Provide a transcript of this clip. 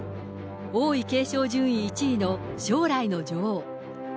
王位継承順位１位の将来の女王。